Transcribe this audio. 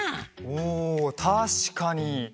おたしかに！